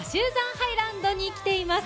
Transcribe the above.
ハイランドに来ています。